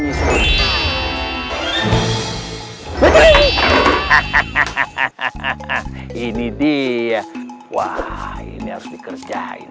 hahaha ini dia wah ini harus dikerjain